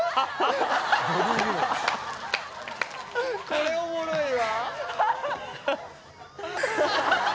これおもろいわ。